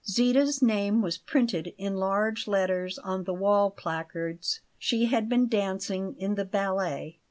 Zita's name was printed in large letters on the wall placards; she had been dancing in the ballet.